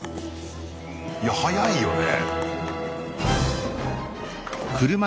いや速いよね。